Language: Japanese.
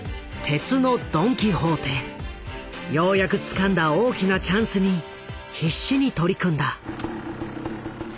ようやくつかんだ大きなチャンスに必死に取り組んだ。